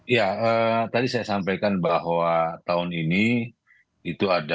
ya tadi saya sampaikan bahwa tahun ini itu ada